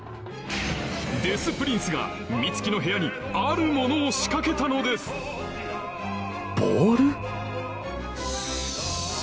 デス・プリンスが美月の部屋にあるものを仕掛けたのですボール！？